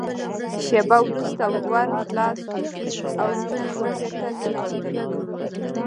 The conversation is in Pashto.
شېبه وروسته ور خلاص شو او مينه کوټې ته ننوتله